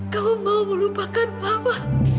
kamu mau melupakan papa